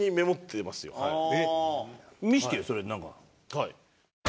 はい。